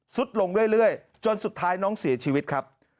สุดลงเรื่อยจนสุดท้ายน้องเสียชีวิตครับ